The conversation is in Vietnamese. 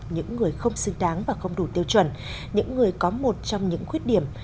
những người không xứng đáng và không đủ tiêu chuẩn những người có một trong những khuyết điểm